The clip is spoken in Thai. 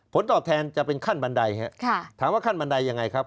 ผลตอบแทนจะเป็นขั้นบันไดครับถามว่าขั้นบันไดยังไงครับ